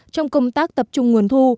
trong công tác tập trung nguồn thu